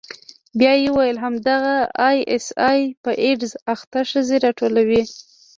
بيا يې وويل همدغه آى اس آى په ايډز اخته ښځې راټولوي.